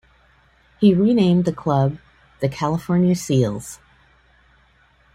He renamed the club the California Seals.